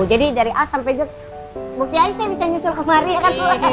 jadi dari a sampai j bukti aja saya bisa nyusul ke mari kan bu